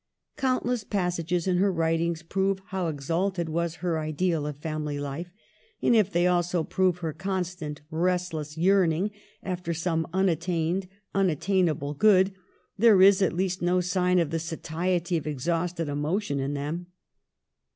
Countless passages in her writings prove how exalted was her ideal of family life ; and if they also prove her constant, restless yearning after some unattained, unattainable good, there is at least no sign of the satiety of exhausted emotion in them.